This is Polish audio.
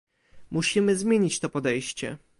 Musimy zmienić to podejście